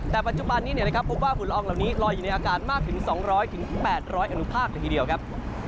แต่ปัจจุบันนี้พบว่าฝุ่นละอองเหล่านี้ลอยอยู่ในอากาศมากถึง๒๐๐๘๐๐อนุภาคเลยทีเดียวครับ